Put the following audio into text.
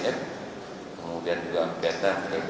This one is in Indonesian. kemudian juga pt